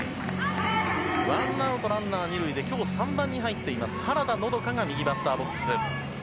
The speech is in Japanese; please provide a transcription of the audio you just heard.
ワンアウトランナー、２塁で今日３番に入っている原田のどかが右バッターボックス。